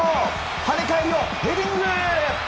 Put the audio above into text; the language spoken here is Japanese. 跳ね返りを、ヘディング！